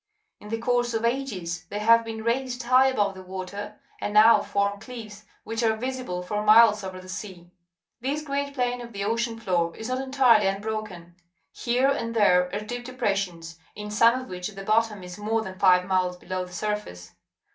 In the course of ages thej^ have been raised high above the water, and now form cliffs, which are visible for miles over the sea. This great pla in of the ocean floo r is not entirely', ^unbrokm. Uno and there are deep d epression.', in ^olne of which the bottom is more than fi\e miles below the surface